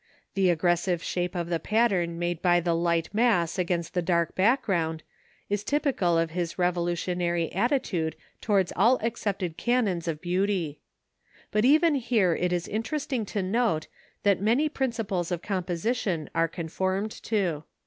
The aggressive shape of the pattern made by the light mass against the dark background is typical of his revolutionary attitude towards all accepted canons of beauty. But even here it is interesting to note that many principles of composition are conformed to.